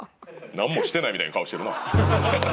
なんもしてないみたいな顔してるな。